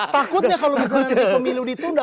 takutnya kalau misalnya nanti pemilu ditunda